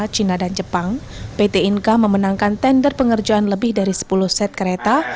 china dan jepang pt inka memenangkan tender pengerjaan lebih dari sepuluh set kereta